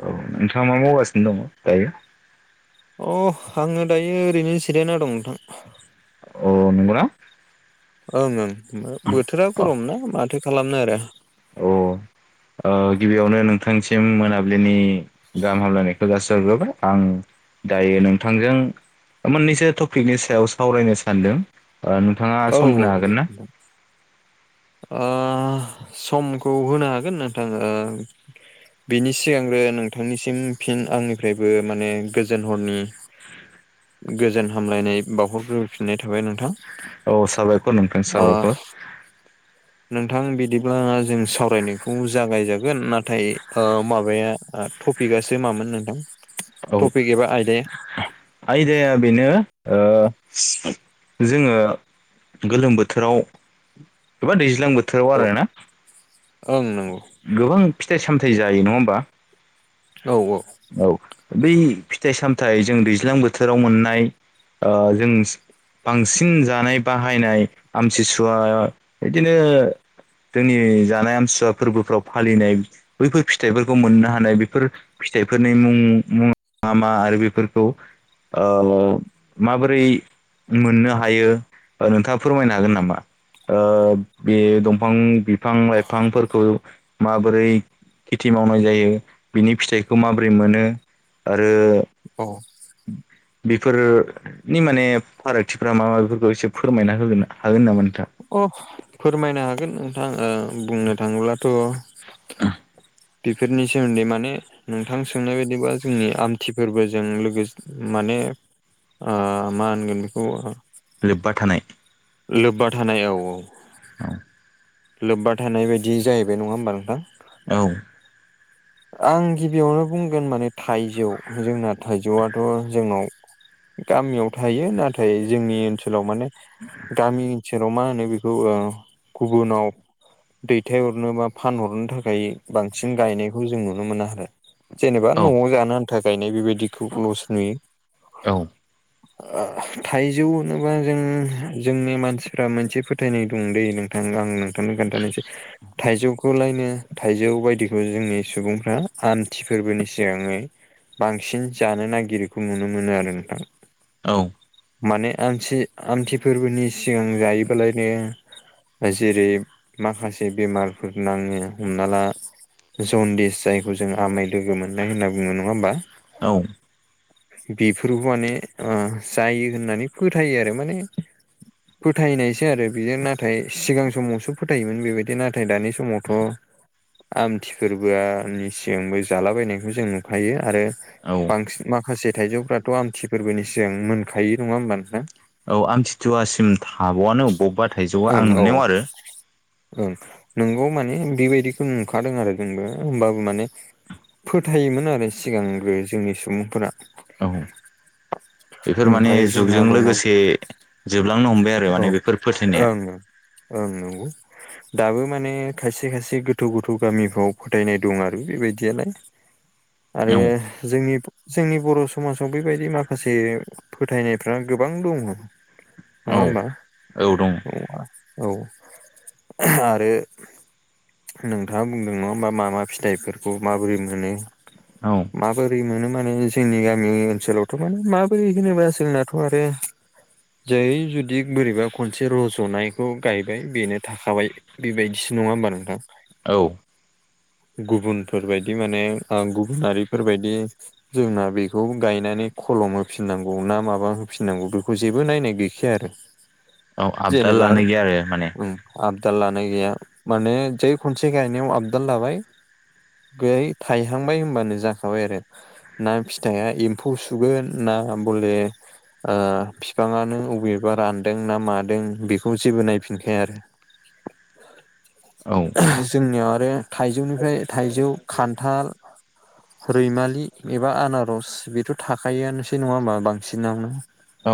औ नोंथाङा मा मावगासिनो दङ दायो। अ आङो दायो ओरैनो जिरायना दं नोंथां। अ नंगौना ओं ओं बोथोरा गरम ना माथो खालामनो आरो औ। गिबियावनो नोंथांसिम मोनाबिलिनि गाहाम हामलायनायखौ जाासहरग्रोबाय आं दायो नोंथांजों मोननैसो टपिकनि सायाव सावरायनो सानदों। नोंथाङा औ सम होनो हागोन ना? औ ओ समखौ होनो हागोन नोंथां बिनि सिगांग्रो नोंथांनिसिम फिन आंनिफ्रायबो माने गोजोन हरनि [inaudible] गोजोन हामलायनाय बावहरग्रोफिननाय थाबाय नोंथां औ साबायखर नोंथां ओ साबायखर नोंथां बिदिब्ला जों सावरायनायखौ जागायजागोन नाथाय। माबाया टपिकसो मामोन नोंथां औ टपिक एबा आयदाया आयदाया बेनो जोङो गोलोम बोथोराव एबा दैज्लां बोथोर बोथोराव औ आरोना ओं नंगौ गोबां फिथाइ सामथायाइ जायो नङा होमबा? औ औ। औ बै फिथाइ सामथायाइ जों दैज्लां बोथोराव मोननाय जों बांसिन जानाय बाहायनाय आमथिसुवा बिदिनो जोंनि जानाय आमसुवा फोरबोफ्राव फालिनाय। बैफोर फिथाइफोरखौ मोननो हानाय बेफोर फिथाइफोरनि मुं मुङा मा मा आरो बेफोरखौ माबोरै मोननो हायो नोंथाङा फोरमायनो हागोन नामा? ओ बे दंफां बिफां लाइफांफोरखौ माबोरै खेथि मावनाय जायो बिनि फिथाइखौ माबोरै मोनो। आरो। अ बेफोरो माने फारागथिफ्रा मा माबिफोरखौ एसे फोरमायना होगोन हागोन नामा नोंथां। अ फोरमायनो हागोन नोंथाङ बुंनो थाङोब्लाथ' [inaudible] बेफोरनि सोमोन्दै माने नोंथां सोंनाय बायदिबा जोंनि आमथि फोरबोजों माने मा होनगोन बेखौ लोब्बा थानाय लोब्बा थानाय औ औ। औ। लोब्बा थानाय बायदि जाहैबाय नङा होमबा नोंथां। औ। आं गिबियावनो बुंगोन माने थाइजौ जोंना थाइजौआथ' जोंनाव गामियाव थायो नाथाय जोंनि ओनसोलाव माने गामि ओनसेराव मा होनो बेखौ गुबुनाव दैथायहरनो बा फानहरनो थाखाय बांसिन गायनायखौ जों नुनो मोना आरो जेनेबा औ न'आव जानो आन्था गायनाय बेबायदिखौ लस नुयो। औ थाइजौ होनोबा जों जोंनि मानसिफ मोनसे फो फोथायनाय दं द दै नोंथां आं नोंथांनो खोन्थानोसै थाइजौखौ लायनो थाइजौ बायदिखौ जोंनि सुबुंफ्रा आमथि फोरबोनि सिगाङै बांसिन जानो नागिरखौ नुनो मोनो आरो नोंथां। औ। माने आमथि आमथि फोरबोनि सिगां जायोबालायनो। जेरै माखासे बेमारफोर नाङो हमना ला जनदिस जाय जों आमाय लोगो मोननाय होनना बुङो नङा होमबा? औ बेफोरखौ माने जायो होननानै फोथायो आरो माने फोथायनायसो आरो बेजों नाथाय सिगां समावसो फोथायोमोन बेबायदि नाथाय दानि समावथ' आमथि फोरबोआनि सिगांबो जालाबायनायखौ जों नुखायो आरो औ। बांसिन माखासे थाइजौफ्राथ' आमथि फोरबोनि सिगां मोनखायो नङा होमबा नोंथां? औ आं थितुवासिम थाबावआनो बबेबा थाइजौआ ओं आं औ नुनायाव आरो ओं नोंगौ माने बेबायदिखौ नुखादों आरो जोंबो होमबाबो माने फोथायोमोन आरो सिगांग्रो जोंनि सुबुंफोरा। औ बेफोर माने ओमफ्राय जोंहा जुगजों दङ लोगोसे जोबलांनो हमबाय आरो औ माने बेफोर फोथायनाया ओं ओं नंगौ दाबो माने खायसे खायसे गोथौ गोथौ गामिफ्राव फोथायनाय दं आरो बेबायदियालाय [inaudible] आरो जोंनि जोंनि बर' समाजाव बेबायदि माखासे फोथायनायफ्रा गोबां दङ। नङा औ होमबा औ औ आरो नोंथाङा बुंदों नङा होमबा मा मा फिथाइफोरखौ माबोरै मोनो? औ माबोरै मोनो माने जोंनि गामि ओनसोलावथ' माने माबोरै होनोब्ला जोंनाथ' आरो जाय बिदिग बोरैबा खनसे रज'नायखौ गायबाय बेनो थाखाबाय बेबायदिसो नङा होमबा नोंथां? औ गुबुनफोरबायायदि माने गुबुनारिफोरबायदि जोंना बेखौ गायनानै खलम होफिननांगौ ना माबा होफिननांगौ बेखौ जेबो नायनाय गैखाया आरो। आबदाल जेनेबा लानो आरो गैया माने आबदाल लानाय गैया माने जे खनसे गायनायाव आबदाल लाबाय बेयाय थायहांबाय होनबानो जाखाबाय आरो। ना फिथाइआ एम्फौ सुगोन ना बले बिफाङआनो अबे एबा रानदों ना मादों बेखौ जेबो नायफिनखाया आरो। औ जोंनियाव आरो थाइजौनिफ्राय थाइजौ खान्थाल रैमालि एबा आनारस बेथ' थाखआनोसै नङा होमा बांसिनावनो। औ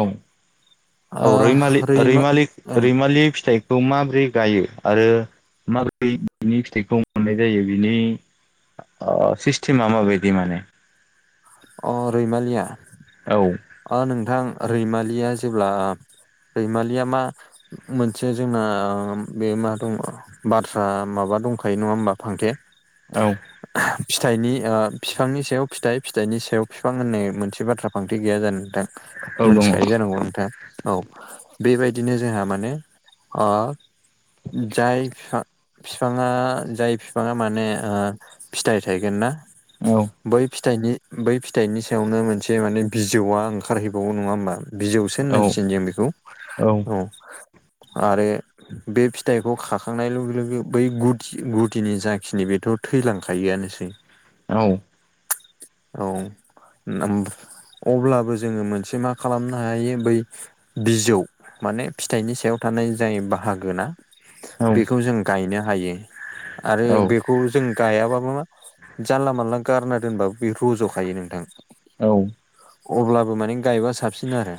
औ ओ रैलि रैमा रैलि ओं रैमालि फिथाइ खौ माब्रै गायो आरो माब्रै बिनि फिथाइखौ मोननाय जायो बिनि अ सिसतेमा माबायदि माने? अ रैमालिया औ नोंथां रैमालिया जेब्ला रैमालिया मा मोनसे जोंना बे मा दङ? बाथ्रा माबा दंखायो नङा होमबा फांथे औ फिथाइनि बिफांनि सायाव फिथाइ फिथाइनि सायाव बिफां होननाय मोनसे बाथ्रा फांथे गैया जानो नोंथां औ दङ मोनथिखायो जानांगौ नोंथाङा? औ बेबायदिनो जोंहा माने जाय बिफां बिफाङा जाय बिफाङा माने फिथाइ थायगोन ना? औ बै फिथाइनि बै फिथाइनि सायावनो मोनसे माने बिजौआ ओंखारहैबावो नङा होमबा? बिजौसो औ होननांसिगोन जों बेखौ औ आरो बे फिथाइखौ खाखांनाय लोगो लोगो बै गुदि गुदिनि जाखिनि बेथ' थैलांखायोआनोसै औ औ अब्लाबो जोङो मोनसे मा खालामनो हायो बै बिजौ माने फिथाइनि सायाव थानाय जाय बाहागोना बेखौ जों गायनो हायो आरो औ बेखौ जों गायाबाबो मा जानला मानला गारना दोनबाबो बे रज'खायो नोंथां। औ अब्लाबो माने गायबा सा बांसिन आरो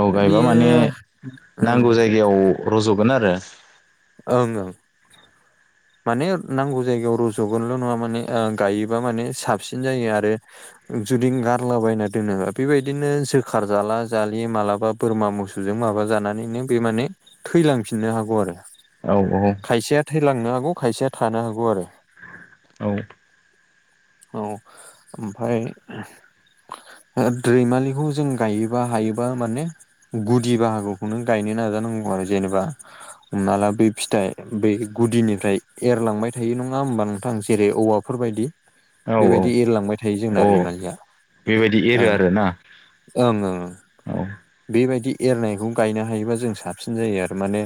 औ गायबा बियो माने ओं नांगौ जायगायाव रज'गोन आरो ओं ओं। [inaudible] माने नांगौ जायगायाव रज'गोनल' नङा माने गायोबा माने साबसिन जायो आरो। जुदि गारलाबायायना दोनोबा बेबायदिनो जोखार जाला जालि मालाबा बोरमा मोसौजों माबा जानानैनो बे माने थैलांफिननो हागौ आरो औ औ। खायसेया थैलांनो हागौ खायसेया थानो हागौ आरो। औ। औ ओमफाय। दैमालिखौ जों गायोबा हायोबा माने। गुदि बाहागोखौनो गायनो नाजानांगौ आरो जेनेबा हमना ला बै फिथाइ बै गुदिनिफ्राय एरलांबाय थायो नङा होमबा नोंथां जेरै औवाफोरबायायदि औ औ बेबायदि एरलांबाय थायो जोंना अ रैमालिया बेबायदि एरो ओं आरोना ओंं ओं। औ। बेबायदि एरनायखौ गायनो हायोबा जों साबसिन जायो आरो माने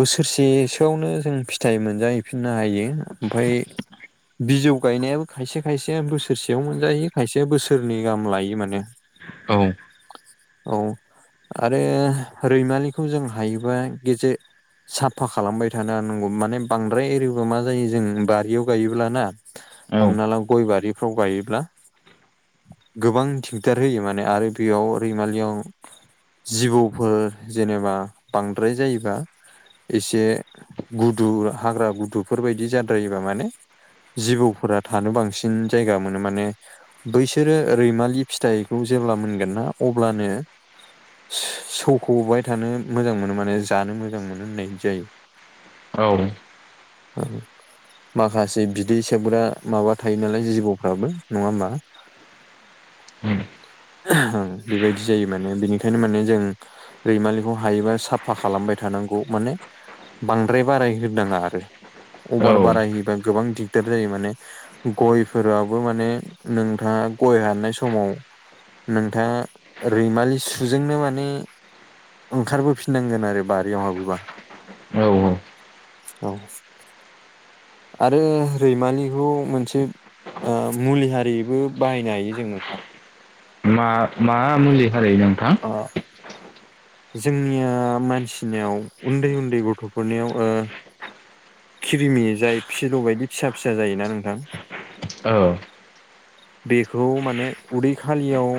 बोसोरसेसोआवनो जों फिथाइ मोनजाहैफिननो हायो ओमफाय बिजौ गायनायाबो खायसे खायसे बोसोरसेयाव मोनजायो खायसे बोसोरनै गाहाम लायो माने। औ। औ आरो रैमालिखौ जों हायोबा गेजेर साफा खालामबाय थानो नांगौ माने बांद्राय एरिबा मा जायो जों बारियाव गायोब्ला ना औ हमनाला गयबारि फाव गायोब्ला गोबां थिगदार होयो माने आरो बेयाव रैमालियाव। जिबौफोर जेनेबा बांद्राय जायोबा एसे गुदु हाग्रा गुदुफोरबायदि जाद्रायोबा माने। जिबौफोरा थानो बांसिन जायगा मोनो माने बैसोरो रैमालि फिथाइखौ जेब्ला मोनगोन ना अब्लानो सौख'बाय थानो मोजां मोनो माने जानो मोजां मोनो होननाय जायो। औ आरो। माखासे बिदै सोबग्रा माबा थायो नालाय जिबौफ्राबो नङा होमबा [inaudible] बेबायदि जायो माने बिनिखायनो माने जों रैमालिखौ हायोबा साफा खालामबाय थानांगौ माने बांद्राय बारायहनााङा आरो अभार बाराय औ होयोबा गोबां दिगदार जायो माने। गयफोराबो माने नोंथाङा गय हारनाय समाव नोंथाङा रैमालि सुजोंनो माने ओंखारबोफिननांगोन आरो बारियाव हाबोबा औ औ आरो रैमलिखौ मोनसे। मुलि हारिबो बाहायनो हायो जों नोंथां। मा मा मुलि हायो नोंथां। द जोंनिया मानसिनियाव उन्दै उन्दै गथ'फोरनियाव खिरिमि जाय फिलौ बायदि फिसा फिसा जायोना नोंथां औ। बेखौ माने उदै खालियाव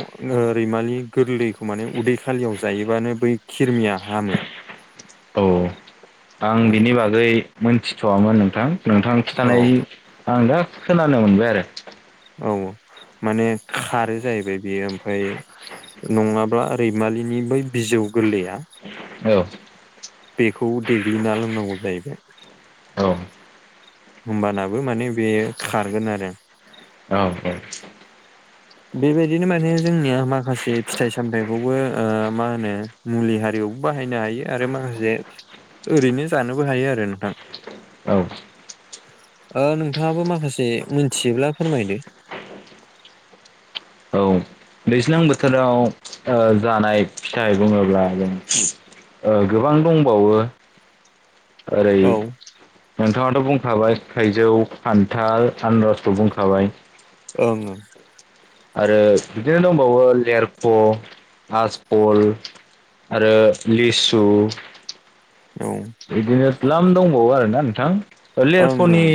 ओरैमालि गोरलैखौ माने उदै खालियाव जायोबानो बै खिरमिया हामो। औ। आं औ बिनि बागै मोनथिथ'वामोन नोंथां नोंथां खिथानाय आं दा खोनानो मोनबाय आरो औ माने खारो जाहैबाय बियो ओमफ्राय नङाब्ला रैमालिनि बै बिजौ गोरलैया औ बेखौ देग्लिना लोंनांगौ जाहैबाय औ होमबानाबो माने बेयो खारगोन आरो औ औ बेबायदिनो माने जोंनिया माखासे फिथाइ सामथायाइखौबो मा होनो मुलि हारियावबो बाहायनो हायो आरो माखासे ओरैनो जानोबो हायो आरो नोंथां। औ ओ नोंथाङाबो माखासे मिथियोब्ला फोरमायदो औ दैज्लां बोथोराव जानाय फिथाइ बुङोब्ला जों गोबां दंबावो ओरै औ नोंथाङाथ' बुंखाबाय थाइजौ खान्थाल आनरसखौ बुंखाबाय ओं ओं आरो बिदिनो दंबावो लेरख' आजबल आरो लिसु ओं बिदिनो द्लाम दंबावो आरोना नोंथां औ ओं ओं लेरक'नि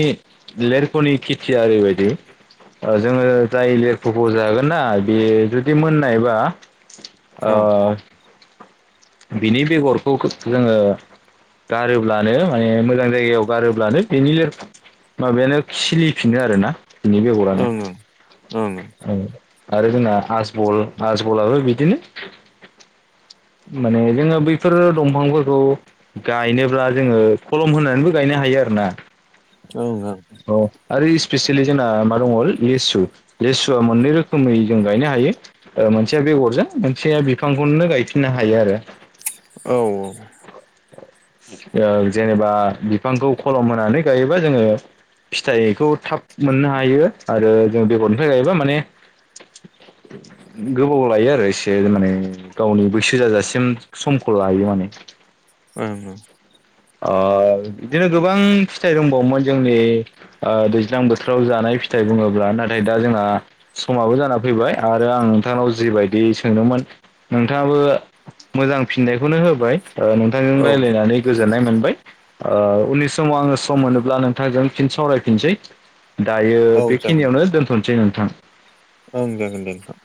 लिरख'नि खेथिया ओरैबायदि जोङो जाय लिरख'खौ जागोन ना बेयो जुदि मोननायबा ओ बिनि बेगरखौ जोङो गारोब्लानो माने मोजां जायगायाव गारोब्लानो बेनि माबायानो खिलिफिनो आरोना बिनि बेगरानो ओं ओं ओं ओं औ आरो जोंना आजबल आजबलाबो बिदिनो माने जोङो बैफोरो दंफांफोरखौ गायनोब्ला जोङो खलम होनानैबो गायनो हायो आरो ना औ ओं अ आरो स्पेसियेलि जोंना मा दङ' लिसु लेसुवा मोननै रोखोमै जों गायनो हायो मोनसेया बेगरजों मोनसेया बिफांखौनो गायफिननो हायो आरो औ जेनेबा बिफांखौ खलम होनानै गायोबा जोङो फिथाइखौ थाब मोननो हायो आरो जों बेगरनिफ्राय गायोबा माने [inaudible] गोबाव लायो आरो एसे माने गावनि बैसो जाजासिम समखौ लायो माने ओं ओं अ बिदिनो गोबां फिथाइ दंबावोमोन जोंनि दैज्लां बोथोराव जानाय फिथाइ बुङोब्ला नाथाय दा जोंहा समाबो जाना फैबाय आरो आं नोंथांनाव जिबायदि सोंदोंमोन नोंथाङाबो मोजां फिननायखौनो होबाय नोंथांजों ओं रायज्लायनानै गोजोननाय मोनबाय उननि समाव आङो सम मोनोब्ला नोंथांजों फिन सावरायफिनसै दायो औ जागोन दे बेखिनियावनो दोनथ'सै नोंथां। ओं जागोन दे नोंथां।